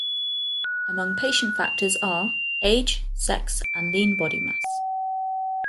Among patient factors are: age, sex, and lean body mass.